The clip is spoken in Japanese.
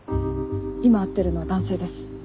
今会ってるのは男性です。